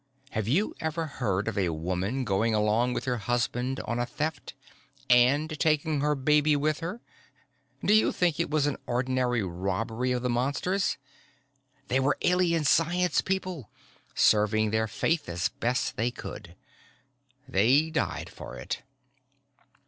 Have you ever heard of a woman going along with her husband on a Theft? And taking her baby with her? Do you think it was an ordinary robbery of the Monsters? They were Alien science people, serving their faith as best they could. They died for it."